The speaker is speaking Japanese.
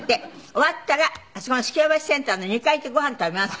終わったらあそこの数寄屋橋センターの２階行ってごはん食べますから」。